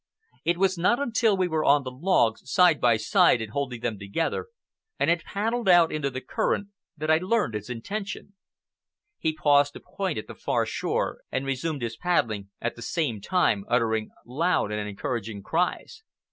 It was not until we were on the logs, side by side and holding them together, and had paddled out into the current, that I learned his intention. He paused to point at the far shore, and resumed his paddling, at the same time uttering loud and encouraging cries.